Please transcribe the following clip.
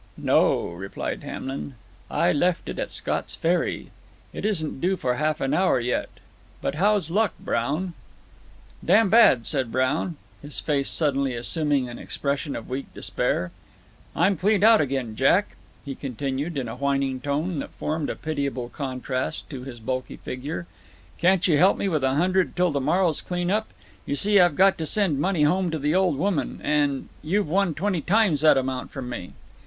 "No," replied Hamlin; "I left it at Scott's Ferry. It isn't due for half an hour yet. But how's luck, Brown?" "Damn bad," said Brown, his face suddenly assuming an expression of weak despair; "I'm cleaned out again, Jack," he continued, in a whining tone that formed a pitiable contrast to his bulky figure, "can't you help me with a hundred till tomorrow's cleanup? You see I've got to send money home to the old woman, and you've won twenty times that amount from me."